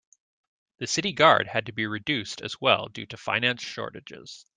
The city guard had to be reduced as well due to finance shortages.